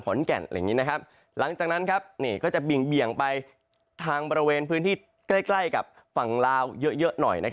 หลังจากนั้นก็จะเบี่ยงไปทางบริเวณพื้นที่ใกล้กับฝั่งลาวเยอะหน่อย